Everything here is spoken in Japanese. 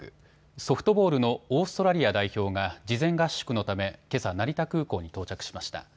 ソフトボールのオーストラリア代表が事前合宿のためけさ成田空港に到着しました。